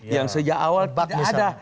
yang sejak awal bahkan ada